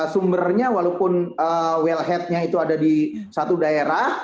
sumbernya walaupun well headnya itu ada di satu daerah